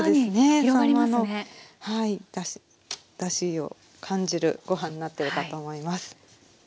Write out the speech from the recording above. さんまのだしを感じるご飯になっているかと思います。